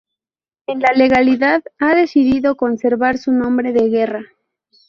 En la legalidad ha decidido conservar su nombre de guerra.